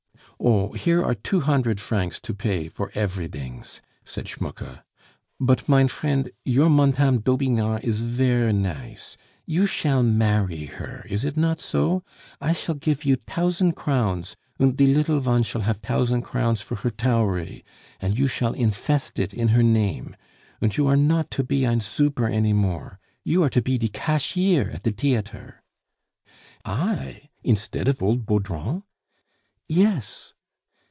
"Oh! Here are two hundred vrancs to bay for eferydings..." said Schmucke. "But, mein friend, your Montame Dobinard is ver' nice; you shall marry her, is it not so? I shall gif you tausend crowns, and die liddle vone shall haf tausend crowns for her toury, and you shall infest it in her name.... Und you are not to pe ein zuper any more you are to pe de cashier at de teatre " "I? instead of old Baudrand?" "Yes."